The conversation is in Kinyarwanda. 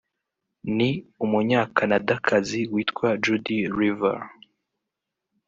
ni Umunyakanadakazi witwa Judi Rever